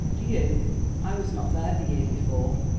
Do you?" "I was not there the year before."